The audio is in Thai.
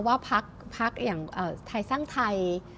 ว่าพักอย่างไทยสร้างไทย